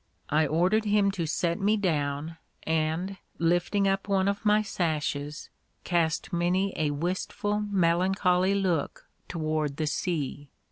I ordered him to set me down, and lifting up one of my sashes, cast many a wistful melancholy look toward the sea.